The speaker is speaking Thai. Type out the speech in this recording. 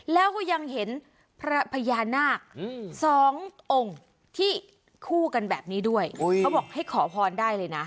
แล้วก็ยังเห็นพระพญานาคสององค์ที่คู่กันแบบนี้ด้วยเขาบอกให้ขอพรได้เลยนะ